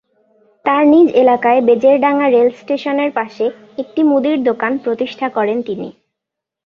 তাঁর নিজ এলাকায় বেজেরডাঙ্গা রেলস্টেশনের পাশে একটি মুদি দোকান প্রতিষ্ঠা করেন তিনি।